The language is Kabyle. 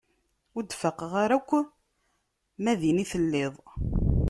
Ur d-faqeɣ ara yakk ma din i telliḍ.